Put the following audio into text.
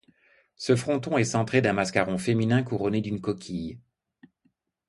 Ce fronton est centré d'un mascaron féminin couronné d'une coquille.